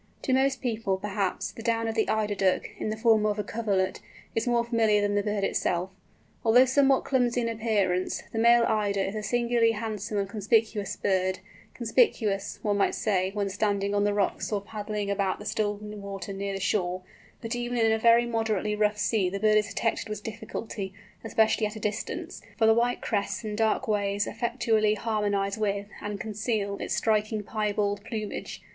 To most people, perhaps, the down of the Eider Duck, in the form of a coverlet, is more familiar than the bird itself. Although somewhat clumsy in appearance, the male Eider is a singularly handsome and conspicuous bird—conspicuous, one might say, when standing on the rocks or paddling about the still water near the shore, but even in a very moderately rough sea the bird is detected with difficulty, especially at a distance, for the white crests and dark waves effectually harmonise with, and conceal, its striking piebald plumage.